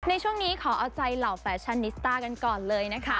ในช่วงนี้ขอเอาใจเหล่าแฟชั่นนิสต้ากันก่อนเลยนะคะ